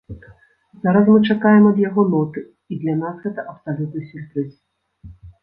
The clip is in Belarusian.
Зараз мы чакаем ад яго ноты, і для нас гэта абсалютны сюрпрыз!